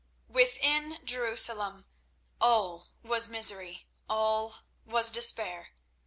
Within Jerusalem all was misery, all was despair.